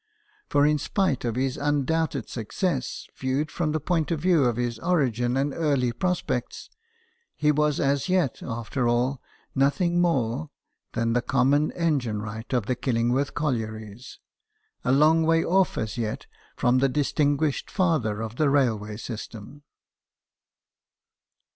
For in spite of his undoubted success, viewed from the point of view of his origin and early prospects, he was as yet after all nothing more than the common engine wright of the Killingworth collieries a long way off as yet 44 BIOGRAPHIES OF WORKING MEN. from the distinguished father of the railway system.